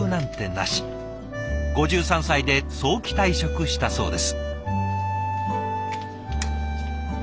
５３歳で早期退職したそうです。